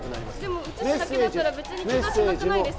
でも映すだけだったら別にけがしなくないですか？